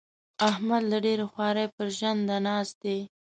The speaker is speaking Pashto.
احمد له ډېرې خوارۍ؛ پر ژنده ناست دی.